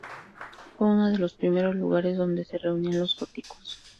Fue uno de los primeros lugares donde se reunían los góticos.